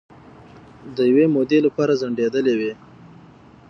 د یوې مودې لپاره ځنډیدېلې وې